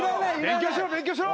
勉強しろ勉強しろ。